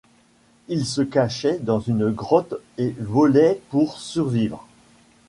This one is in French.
Il se cachait dans une grotte et volait pour survivre.